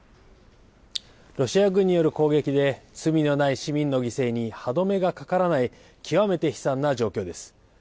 ロシア軍による攻撃で、罪のない市民の犠牲に歯止めがかからない、極めて悲惨な状況です。